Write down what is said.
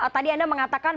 tadi anda mengatakan